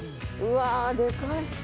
うわーでかい！